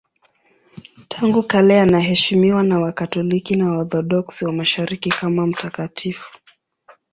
Tangu kale anaheshimiwa na Wakatoliki na Waorthodoksi wa Mashariki kama mtakatifu.